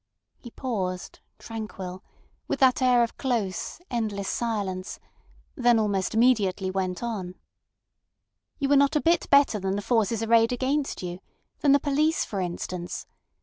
He paused, tranquil, with that air of close, endless silence, then almost immediately went on. "You are not a bit better than the forces arrayed against you—than the police, for instance.